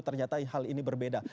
ternyata hal ini berbeda